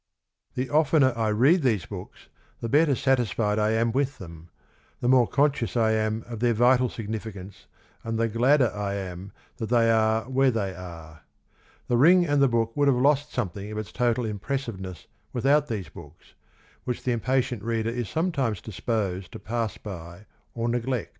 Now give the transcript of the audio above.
The oftener I read these books the better satisfied I am with them, the more conscious I am of their vital significance, and the gladder I am that they are where they are. The Ring and the Book would have lost something of its total impressiveness without these books, which the impatient reader is sometimes disposed to pass by or neglect.